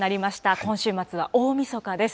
今週末は大みそかです。